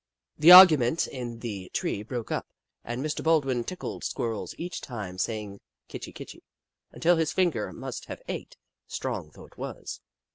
The argument in the tree broke up, and Mr. Baldwin tickled Squirrels, each time say ing," Kitchi Kitchi," until his finger must have ached, strong though it was.